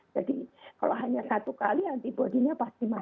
jadi kalau hanya satu kali antibody nya pasti mati